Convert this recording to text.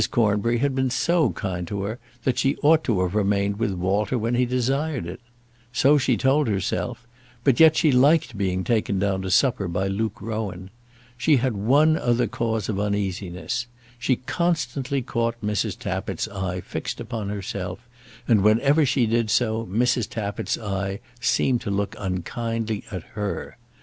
Cornbury had been so kind to her that she ought to have remained with Walter when he desired it. So she told herself; but yet she liked being taken down to supper by Luke Rowan. She had one other cause of uneasiness. She constantly caught Mrs. Tappitt's eye fixed upon herself, and whenever she did so Mrs. Tappitt's eye seemed to look unkindly at her.